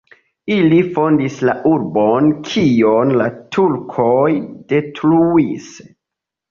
Ili fondis la urbon, kion la turkoj detruis.